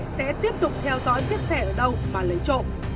sẽ tiếp tục theo dõi chiếc xe ở đâu và lấy trộm